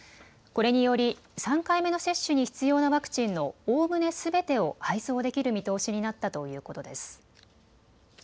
これにより３回目の接種に必要なワクチンのおおむねすべてを配送できる見通しになったということです。